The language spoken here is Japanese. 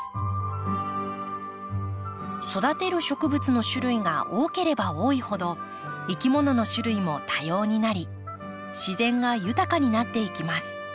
育てる植物の種類が多ければ多いほどいきものの種類も多様になり自然が豊かになっていきます。